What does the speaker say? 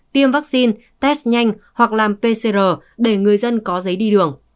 tiêm vaccine test nhanh hoặc làm pcr để người dân có giấy đi đường